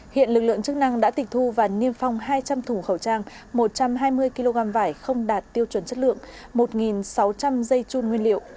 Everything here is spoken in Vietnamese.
hiện lực lượng chức năng đã tịch thu và niêm phong hai trăm linh thùng khẩu trang một trăm hai mươi kg vải không đạt tiêu chuẩn chất lượng một sáu trăm linh dây chun nguyên liệu